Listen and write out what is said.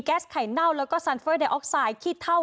ไข่เน่าแล้วก็ซันเฟอร์ไดออกไซดขี้เท่า